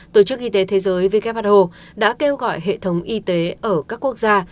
tổ chức y tế thế giới who đã kêu gọi hệ thống y tế ở các quốc gia